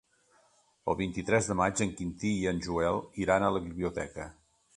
El vint-i-tres de maig en Quintí i en Joel iran a la biblioteca.